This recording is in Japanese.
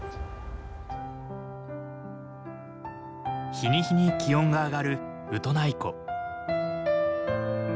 日に日に気温が上がるウトナイ湖。